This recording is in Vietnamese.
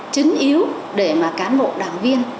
chính yếu để cán bộ đảng viên